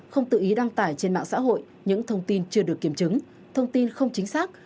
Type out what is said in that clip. không tự ý đăng tải trên mạng xã hội những thông tin chưa được kiểm chứng thông tin không chính xác